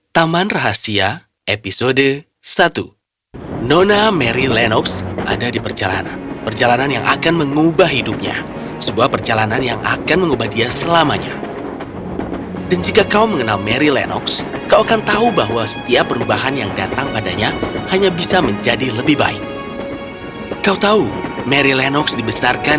taman rahasia episode satu